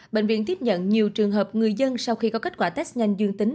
bệnh viện tiếp nhận nhiều trường hợp người dân sau khi có kết quả test nhanh dương tính